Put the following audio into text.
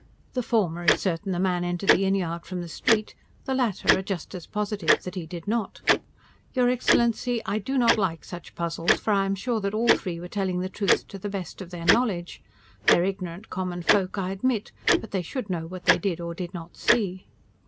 The former is certain the man entered the inn yard from the street; the latter are just as positive that he did not. Your excellency, I do not like such puzzles, for I am sure that all three were telling the truth to the best of their knowledge. They are ignorant common folk, I admit, but they should know what they did or did not see.